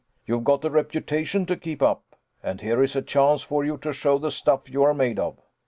You've got a reputation to keep up, and here is a chance for you to show the stuff you are made of."